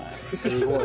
すごい。